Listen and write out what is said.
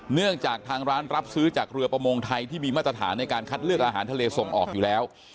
เนื่องจากทางร้านรับซื้อจากเรือประมงไทยที่มีมาตรฐานในการคัดเลือกอาหารทะเลส่งออกอยู่แล้ว